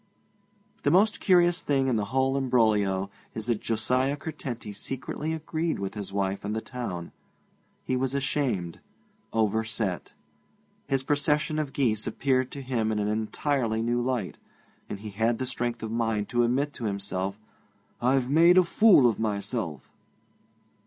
The most curious thing in the whole imbroglio is that Josiah Curtenty secretly agreed with his wife and the town. He was ashamed, overset. His procession of geese appeared to him in an entirely new light, and he had the strength of mind to admit to himself, 'I've made a fool of myself.'